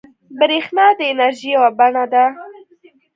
برېښنا د انرژۍ یوه بڼه ده.